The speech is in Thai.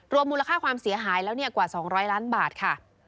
มูลค่าความเสียหายแล้วกว่า๒๐๐ล้านบาทค่ะ